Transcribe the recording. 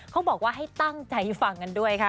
เขาบอกว่าให้ตั้งใจฟังกันด้วยค่ะ